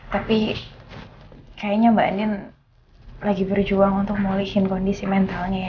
tapi kayaknya mbak andien lagi berjuang untuk meleki kondisi mentalnya